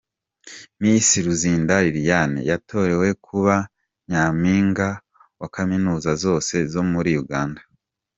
Miss Ruzinda Liliane yatorewe kuba nyampinga wa kaminuza zose zo muri Uganda.